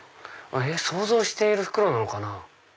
想像している袋なのかな？